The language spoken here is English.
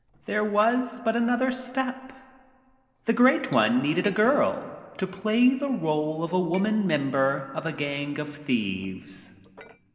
There was but another step. The Great One needed a girl to play the role of a woman member of a gang of thieves.